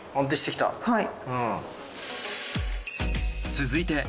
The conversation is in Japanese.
はい。